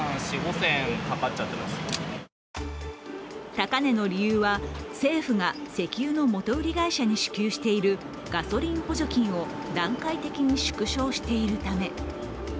高値の理由は政府が石油の元売り会社に支給しているガソリン補助金を段階的に縮小しているため。